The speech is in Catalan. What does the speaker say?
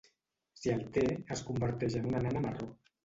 Si el té, es converteix en una nana marró.